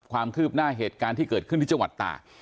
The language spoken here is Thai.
ความคืบหน้าเหตุการณ์ที่เกิดขึ้นที่จังหวัดตาก